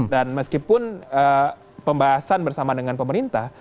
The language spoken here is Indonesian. dan meskipun pembahasan bersama dengan pemerintah